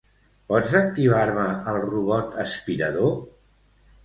Pots activar-me el robot aspirador?